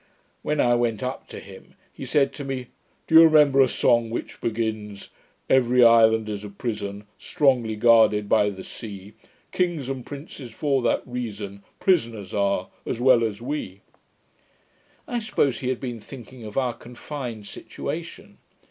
When I went up to him, he said to me, 'Do you remember a song which begins, "Every island is a prison Strongly guarded by the sea; Kings and princes, for that reason, Prisoners are, as well as we."' I suppose he had been thinking of our confined situation.